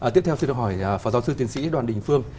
tiếp theo xin được hỏi phó giáo sư tiến sĩ đoàn đình phương